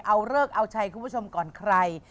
เอาเลิกเอาชัยคุณผู้ชมก่อนใคร